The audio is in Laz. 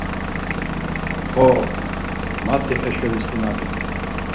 Xo, mati eşo visimadi.